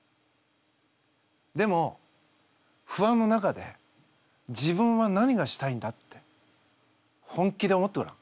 でも不安の中で自分は何がしたいんだって本気で思ってごらん。